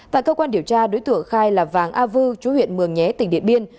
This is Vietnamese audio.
tại cơ quan điều tra đối tượng khai là vàng a vư chú huyện mường nhé tỉnh điện biên